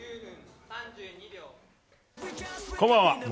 こんばんは。